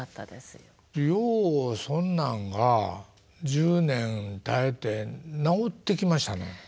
ようそんなんが１０年耐えて治ってきましたね？